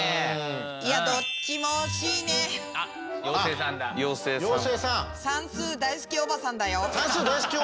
算数大好きおばさん？